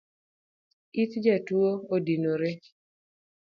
It jatuo odinore